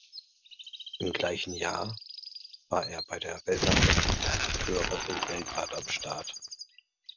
Im gleichen Jahr war er bei der Weltmeisterschaft der Amateure in Belgrad am Start.